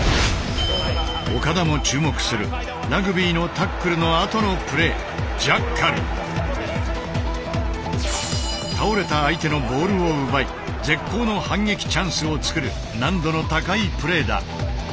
岡田も注目するラグビーのタックルのあとのプレー倒れた相手のボールを奪い絶好の反撃チャンスを作る難度の高いプレーだ。